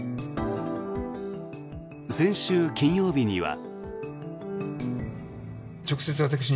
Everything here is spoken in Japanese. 先週金曜日には。